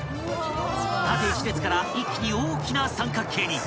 ［縦一列から一気に大きな三角形に］